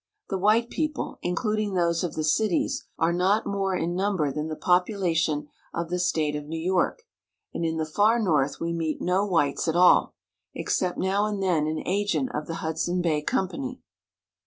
The white people, including those of the cities, are not more in number than the population of the state of New York, and in the far North we meet no whites at all, except now and then an agent of the Hud son Bay Company.